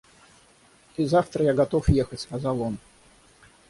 И завтра я готов ехать, — сказал он.